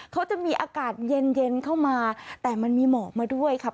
เขาจะมีอากาศเย็นเย็นเข้ามาแต่มันมีหมอกมาด้วยค่ะ